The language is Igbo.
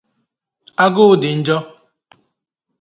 Agụụ dị njọ